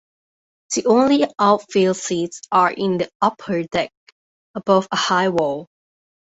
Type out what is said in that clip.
The only outfield seats are in the upper deck, above a high wall.